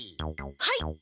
はい！